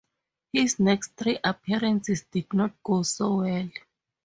His next three appearances did not go so well.